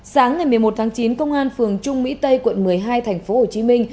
sáng một mươi một chín công an phường trung mỹ tây quận một mươi hai tp hcm